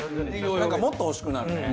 なんかもっと欲しくなるね。